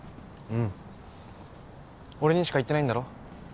うん俺にしか言ってないんだろ？